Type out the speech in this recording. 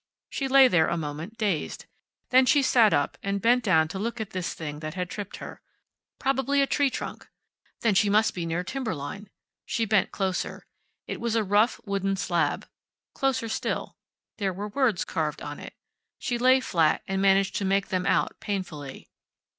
She lay there a moment, dazed. Then she sat up, and bent down to look at this thing that had tripped her. Probably a tree trunk. Then she must be near timberline. She bent closer. It was a rough wooden slab. Closer still. There were words carved on it. She lay flat and managed to make them out painfully.